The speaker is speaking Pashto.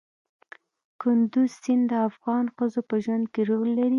کندز سیند د افغان ښځو په ژوند کې رول لري.